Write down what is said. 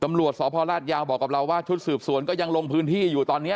ตำรวจสพลาดยาวบอกกับเราว่าชุดสืบสวนก็ยังลงพื้นที่อยู่ตอนนี้